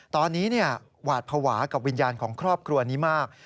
ตอนนี้หวาดภาวะกับวิญญาณของครอบครัวนี้มาก